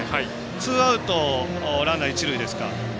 ツーアウトランナー、一塁ですか。